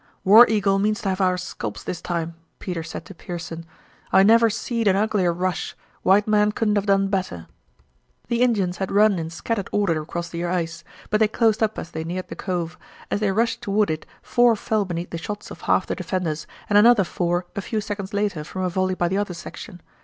"War Eagle means to have our sculps this time," Peter said to Pearson. "I never seed an uglier rush. White men couldn't have done better." The Indians had run in scattered order across the ice, but they closed up as they neared the cove. As they rushed toward it four fell beneath the shots of half the defenders, and another four a few seconds later from a volley by the other section.